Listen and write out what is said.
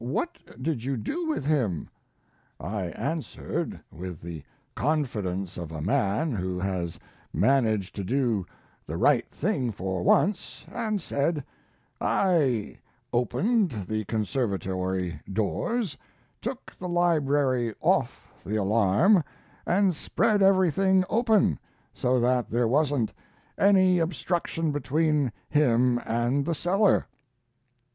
What did you do with him?" I answered with the confidence of a man who has managed to do the right thing for once, and said, "I opened the conservatory doors, took the library off the alarm, and spread everything open, so that there wasn't any obstruction between him and the cellar."